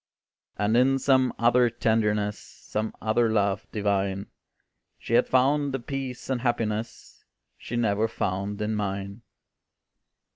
And in some other tenderness, Some other love divine, She had found a peace and happiness, She never found in mine.